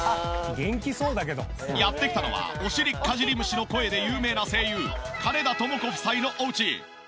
やって来たのはおしりかじり虫の声で有名な声優金田朋子夫妻のおうち。